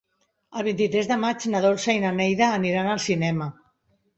El vint-i-tres de maig na Dolça i na Neida aniran al cinema.